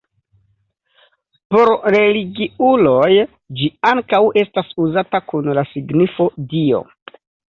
Por religiuloj ĝi ankaŭ estas uzata kun la signifo Dio.